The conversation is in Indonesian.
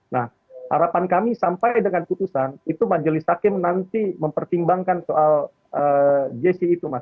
nah harapan kami sampai dengan putusan itu majelis hakim nanti mempertimbangkan soal jessi itu mas